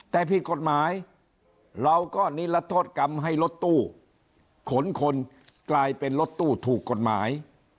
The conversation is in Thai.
แต่ผิดกฎหมายเราก็นิรัตโทษกรรมให้รถตู้ขนคนกลายเป็นรถตู้ถูกกฎหมาย